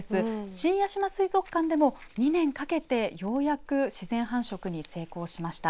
新屋島水族館でも２年かけて、ようやく自然繁殖に成功しました。